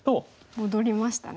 戻りましたね。